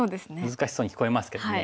難しそうに聞こえますけどね。